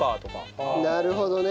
なるほどね。